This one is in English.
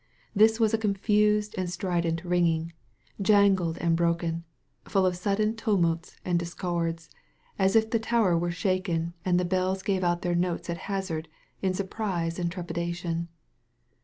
This was a confused and stri d^it ringing, jangled and broken, full of sudden tumults and discords, as if the tower were shaken and the bells gave out their notes at hazard, in sur prise and trepidation.